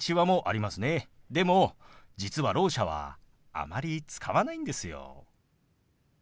でも実はろう者はあまり使わないんですよ。